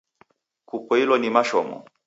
Kupoilo ni mashomo